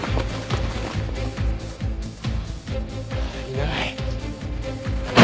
いない。